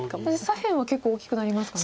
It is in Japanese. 左辺は結構大きくなりましたね。